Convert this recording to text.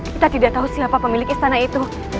kita tidak tahu siapa pemilik istana itu